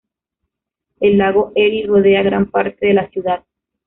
El lago Erie rodea gran parte de la ciudad.